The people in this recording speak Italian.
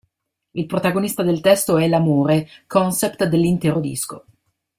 Il protagonista del testo è l'amore, concept dell'intero disco.